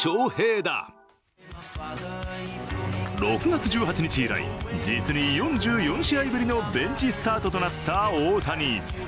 ６月１８日以来、実に４４試合ぶりのベンチスタートとなった大谷。